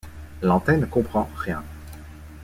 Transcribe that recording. Lantin ne comprend rien.